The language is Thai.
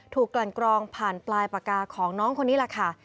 กลั่นกรองผ่านปลายปากกาของน้องคนนี้แหละค่ะ